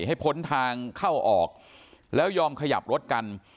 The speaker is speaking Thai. ให้พ้นทางเข้าออกแล้วยอมขยับรถกัน